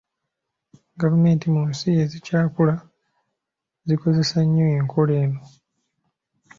Gavumenti mu nsi ezikyakula zikozesa nnyo enkola eno.